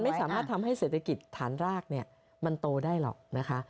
ไม่สามารถทำให้เศรษฐกิจฐานรากเนี่ยมันโตได้หรอกนะคะ